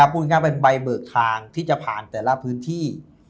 พูดง่ายเป็นใบเบิกทางที่จะผ่านแต่ละพื้นที่